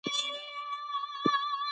نوې څېړنه ګټورې پایلې ښيي.